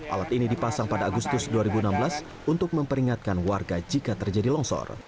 alat ini dipasang pada agustus dua ribu enam belas untuk memperingatkan warga jika terjadi longsor